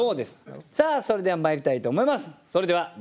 さあそれではまいりたいと思います。